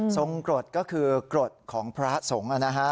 ทรงกฎก็คือกฎของพระสงฆ์นะฮะ